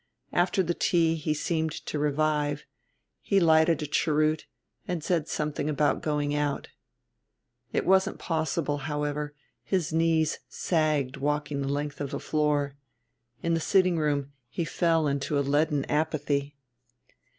After the tea he seemed to revive; he lighted a cheroot and said something about going out. It wasn't possible, however; his knees sagged walking the length of the floor; in the sitting room he fell into a leaden apathy.